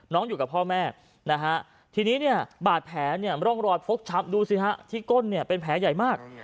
น้องอยู่กับพ่อแม่ทีนี้บาดแผลร่องรอดฟกช้ำดูซิฮะที่ก้นเป็นแผลใหญ่มาก